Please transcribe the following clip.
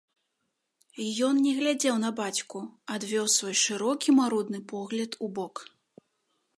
Ён не глядзеў на бацьку, адвёў свой шырокі марудны погляд убок.